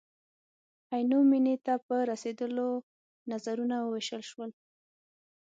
عینو مېنې ته په رسېدلو نظرونه ووېشل شول.